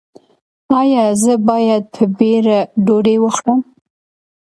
ایا زه باید په بیړه ډوډۍ وخورم؟